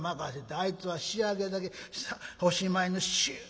あいつは仕上げだけおしまいのシュッ